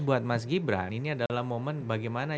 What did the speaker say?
buat mas gibran ini adalah momen bagaimana